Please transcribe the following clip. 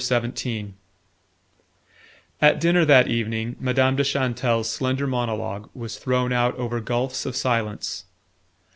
BOOK III XVII At dinner that evening Madame de Chantelle's slender monologue was thrown out over gulfs of silence.